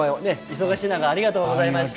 忙しい中ありがとうございました。